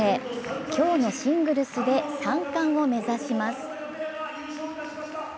今日のシングルスで３冠を目指します。